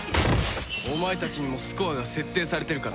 お前たちにもスコアが設定されてるからな。